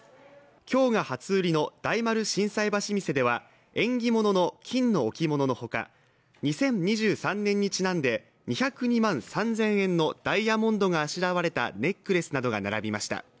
今日が初売りの大丸心斎橋店では、縁起物の金の置物のほか２０２３年にちなんで２０２万３０００円のダイヤモンドがあしらわれたネックレスなどが並びました。